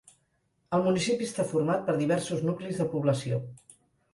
El municipi està format per diversos nuclis de població.